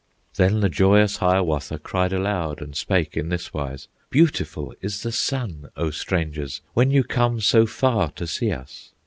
Then the joyous Hiawatha Cried aloud and spake in this wise: "Beautiful is the sun, O strangers, When you come so far to see us!